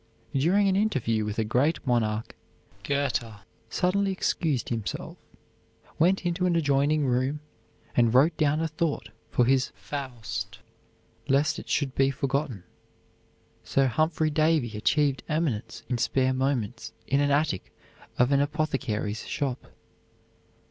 During an interview with a great monarch, Goethe suddenly excused himself, went into an adjoining room and wrote down a thought for his "Faust," lest it should be forgotten. Sir Humphry Davy achieved eminence in spare moments in an attic of an apothecary's shop.